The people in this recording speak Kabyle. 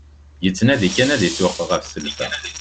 Yettnadi kan ad isewweq ɣef selfa.